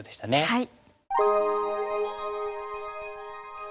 はい。